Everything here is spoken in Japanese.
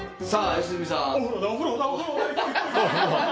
良純さん